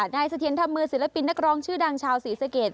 เสถียรธรรมมือศิลปินนักร้องชื่อดังชาวศรีสะเกด